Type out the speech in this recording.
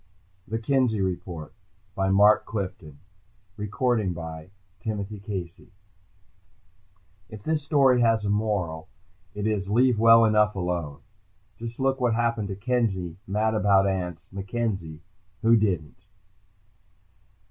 THE Kenzie REPORT By Mark Clifton Illustrated by Kelly Freas _If this story has a moral, it is: "Leave well enough alone." Just look what happened to Kenzie "mad about ants" MacKenzie, who didn't....